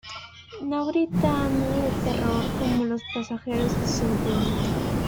No gritando de terror como los pasajeros de su autobús.